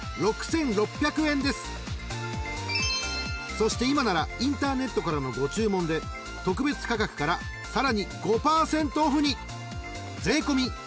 ［そして今ならインターネットからのご注文で特別価格からさらに５％オフに］